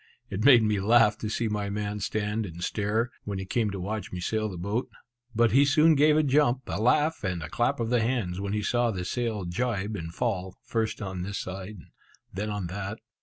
It made me laugh to see my man stand and stare, when he came to watch me sail the boat. But he soon gave a jump, a laugh, and a clap of the hands when he saw the sail jibe and fall, first on this side, then on that.